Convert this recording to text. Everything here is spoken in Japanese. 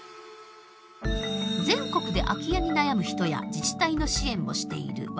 全国で空き家に悩む人や自治体の支援をしている和田貴充さん。